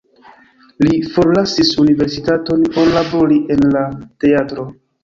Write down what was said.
Li forlasis universitaton por labori en la teatro.